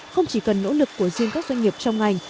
không chỉ cần nỗ lực của riêng các doanh nghiệp trong ngành